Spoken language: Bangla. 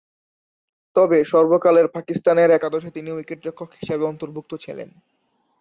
তবে, সর্বকালের পাকিস্তানের একাদশে তিনি উইকেট-রক্ষক হিসেবে অন্তর্ভুক্ত ছিলেন।